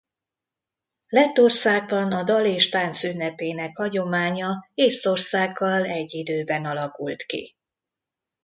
Lettországban a dal és tánc ünnepének hagyománya Észtországgal egy időben alakult ki.